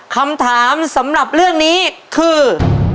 คำถามสำหรับเรื่องนี้คือ